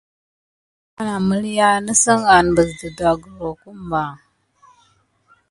Yakaku məlinya nisgue danasine soko dida mis guelna ne.